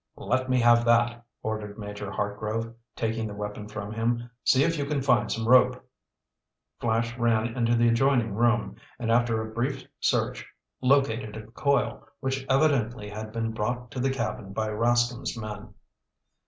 "Let me have that," ordered Major Hartgrove, taking the weapon from him. "See if you can find some rope!" Flash ran into the adjoining room, and after a brief search, located a coil which evidently had been brought to the cabin by Rascomb's men.